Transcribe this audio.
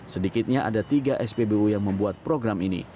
sedikitnya ada tiga spbu yang membuat program ini